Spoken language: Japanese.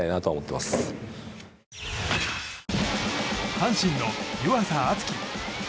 阪神の湯浅京己。